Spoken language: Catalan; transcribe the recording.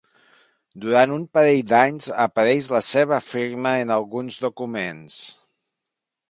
Durant un parell d’anys apareix la seva firma en alguns documents.